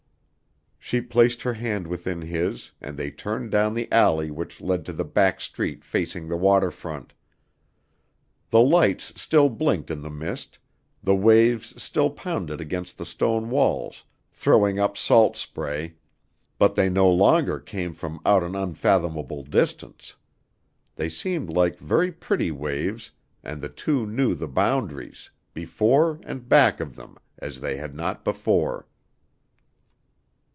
She placed her hand within his and they turned down the alley which led to the back street facing the water front. The lights still blinked in the mist the waves still pounded against the stone walls throwing up salt spray, but they no longer came from out an unfathomable distance. They seemed like very petty waves and the two knew the boundaries, before and back of them, as they had not before.